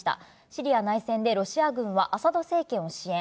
シリア内戦でロシア軍はアサド政権を支援。